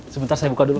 sebentar saya buka dulu